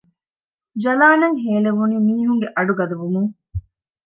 ޖަލާން އަށް ހޭލެވުނީ މީހުންގެ އަޑު ގަދަވުމުން